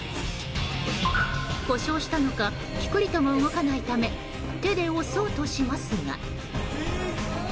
故障したのかピクリとも動かないため手で押そうとしますが。